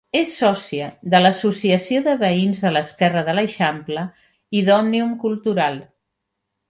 És sòcia de l'Associació de Veïns de l'Esquerra de l'Eixample i d'Òmnium Cultural.